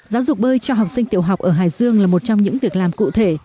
giáo dục bơi cho học sinh tiểu học ở hải dương là một trong những việc làm cụ thể